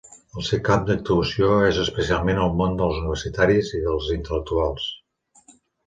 El seu camp d’actuació és especialment el món dels universitaris i dels intel·lectuals.